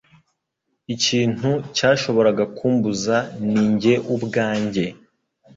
Ikintu cyashoboraga kumbuza ni njye ubwanjye.